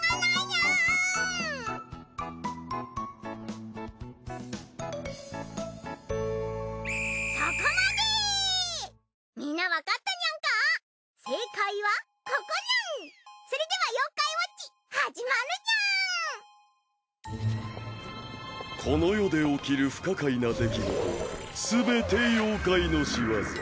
ウィスパー：この世で起きる不可解な出来事はすべて妖怪のしわざ。